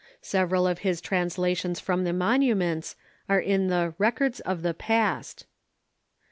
Sev eral of his translations from the monuments are in the "Rec ords of the Past."